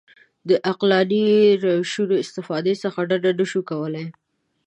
د عقلاني روشونو استفادې څخه ډډه نه شو کولای.